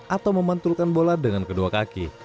atau memantulkan bola dengan kedua kaki